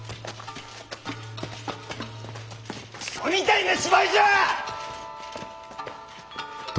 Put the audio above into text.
・くそみたいな芝居じゃあ！